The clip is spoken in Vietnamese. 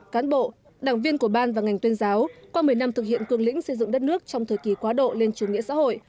cán bộ đảng viên của ban và ngành tuyên giáo qua một mươi năm thực hiện cường lĩnh xây dựng đất nước trong thời kỳ quá độ lên chủ nghĩa xã hội